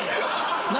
何？